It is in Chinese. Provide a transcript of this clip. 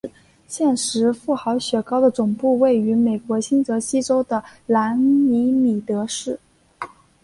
现时富豪雪糕的总部位于美国新泽西州的兰尼米德市。